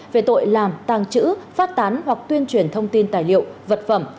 về tội làm tàng trữ phát tán hoặc tuyên truyền thông tin tài liệu vật phẩm